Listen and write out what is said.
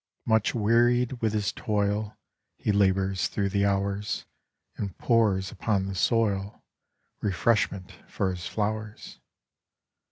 Much wearied with his toil He labours thro' the hours, And pours upon the soil Refreshment for his flowers.